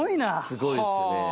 すごいですよね。